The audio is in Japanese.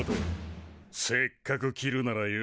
せっかく着るならよ